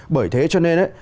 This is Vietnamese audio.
bởi thế cho nên